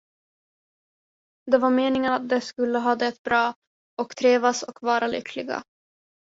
Det var meningen att de skulle ha det bra och trivas och vara lyckliga.